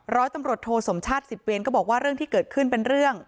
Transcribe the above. ร้อยตำรวจโทสมชาติสิบเวรก็บอกว่าเรื่องที่เกิดขึ้นเป็นเรื่อง